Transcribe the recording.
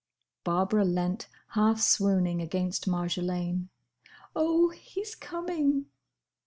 Barbara leant half swooning against Marjolaine. "Oh!—he's coming!"